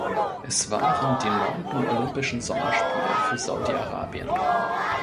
Es waren die neunten Olympischen Sommerspiele für Saudi-Arabien.